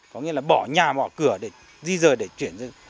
có nghĩa là bỏ nhà bỏ cửa để di rời để chuyển dựng